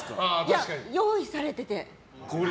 いや、用意されてて。